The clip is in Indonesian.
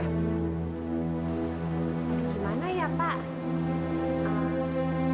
gimana ya pak